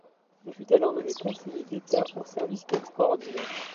Il fut alors nommé conseiller d'État en service extraordinaire.